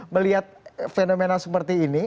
melihat fenomena seperti ini